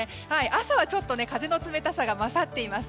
朝は風の冷たさが勝っています。